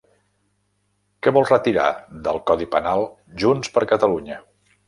Què vol retirar del codi penal Junts per Catalunya?